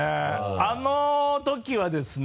あのときはですね